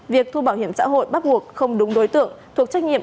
việc thu bảo hiểm xã hội bắt buộc không đúng đối tượng thuộc trách nhiệm